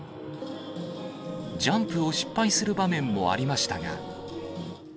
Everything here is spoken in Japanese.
ジャンプを失敗する場面もありましたが。